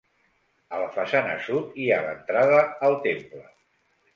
A la façana sud hi ha l'entrada al temple.